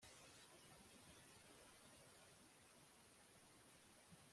Wari uzi ko Gakwaya yaguze imodoka nshya